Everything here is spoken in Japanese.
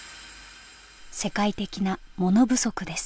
世界的なモノ不足です。